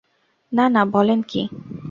না না, বলেন কী।